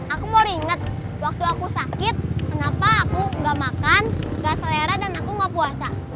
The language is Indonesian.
aku mau ringet waktu aku sakit kenapa aku nggak makan nggak selera dan aku nggak puasa